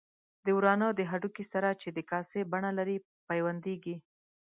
د ورانه د هډوکي سره چې د کاسې بڼه لري پیوندېږي.